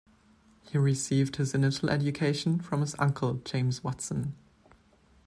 He received his initial education from his uncle, James Watson.